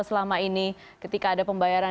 selama ini ketika ada pembayaran